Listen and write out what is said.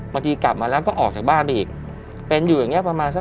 กลับมาแล้วก็ออกจากบ้านไปอีกเป็นอยู่อย่างเงี้ประมาณสัก